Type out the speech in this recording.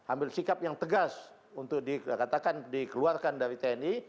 ambil sikap yang tegas untuk dikatakan dikeluarkan dari tni